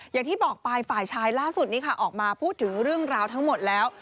อย่างที่บอกไปฝ่ายชายล่าสุดนี้ค่ะออกมาพูดถึงเรื่องราวทั้งหมดแล้ว